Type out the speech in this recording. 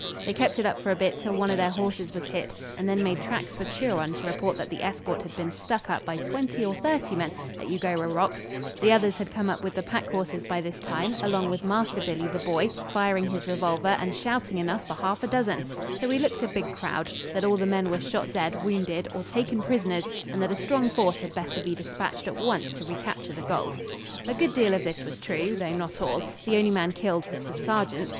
They kept it up for a bit till one of their horses was hit, and then made tracks for Turon to report that the escort had been stuck up by twenty or thirty men at Eugowra Rocks the others had come up with the pack horses by this time, along with Master Billy the Boy firing his revolver and shouting enough for half a dozen; so we looked a big crowd that all the men were shot dead, wounded, or taken prisoners, and that a strong force had better be despatched at once to recapture the gold. A good deal of this was true, though not all. The only man killed was the sergeant.